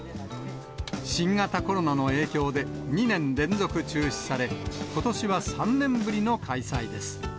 新型コロナの影響で、２年連続中止され、ことしは３年ぶりの開催です。